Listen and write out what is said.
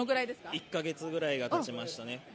１か月ぐらいがたちましたね。